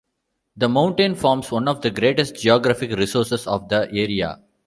The mountain forms one of the greatest geographic resources of the area.